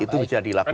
itu bisa dilakukan